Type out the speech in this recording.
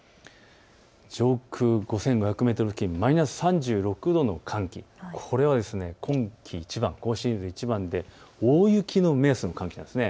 上空５５００メートル付近、マイナス３６度の寒気、これは今季いちばん、今シーズンいちばんで大雪の目安の寒気です。